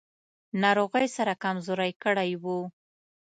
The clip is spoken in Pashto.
ناروغۍ سره کمزوری کړی و.